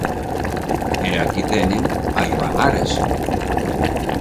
E aquí teñen a Iván Ares.